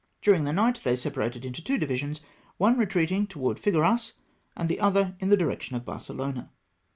Dming the night they separated into two divisions, one retreating towards Figueras, and the other in the direction of Barcelona.